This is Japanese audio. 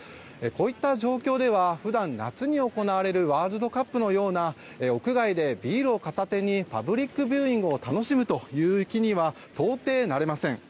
こういった状況では普段、夏に行われるワールドカップのような屋外でビールを片手にパブリックビューイングを楽しむという気には到底なれません。